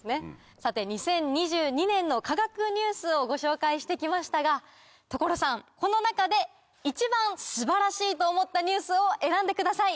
さて２０２２年の科学ニュースをご紹介して来ましたが所さんこの中で一番素晴らしいと思ったニュースを選んでください。